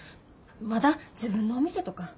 まだ自分のお店とか。